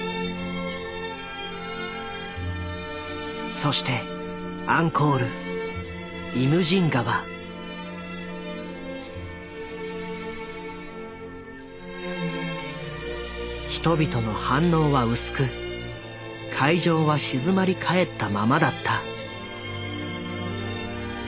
そしてアンコール人々の反応は薄く会場は静まり返ったままだった。